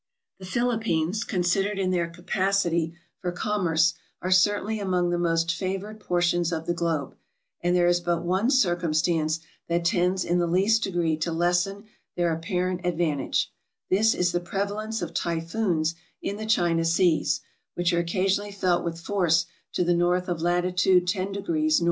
The Philippines, considered in their capacity for com merce, are certainly among the most favored portions of the globe, and there is but one circumstance that tends in the least degree to lessen their apparent advantage ; this is the prevalence of typhoons in the China seas, which are occa sionally felt with force to the north of latitude io° N.